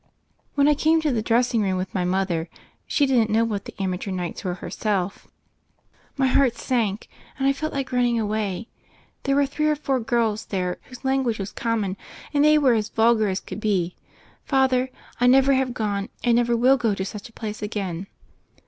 When I came to the dressing room with my mother — ^she didn't know what the 'Amateur Nights' were herself — 1 88 THE FAIRY OF THE SNOWS mj heart sank, and I felt like running away. There were three or four girls there whose language was common ; and they were as vulgar as could be. Father, I never have gone and never will go to such a place again."